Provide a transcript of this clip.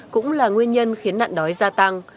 cũng là nguyên nhân khiến nạn đói gia tăng